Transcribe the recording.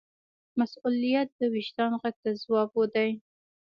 مسؤلیت د وجدان غږ ته ځواب دی.